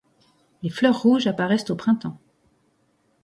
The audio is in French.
Les fleurs rouges apparaissent au printemps.